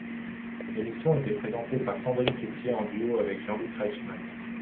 L'émission était présentée par Sandrine Quétier en duo avec Jean-Luc Reichmann.